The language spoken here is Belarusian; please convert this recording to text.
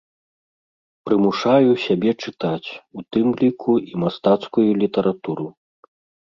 Прымушаю сябе чытаць, у тым ліку і мастацкую літаратуру.